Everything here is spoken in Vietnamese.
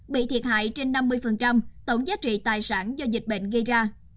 bị thiệt hại trên năm mươi tổng giá trị tài sản do dịch bệnh gây ra